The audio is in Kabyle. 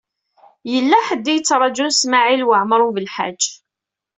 Yella ḥedd i yettṛajun Smawil Waɛmaṛ U Belḥaǧ.